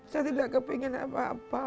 saya tidak kepingin apa apa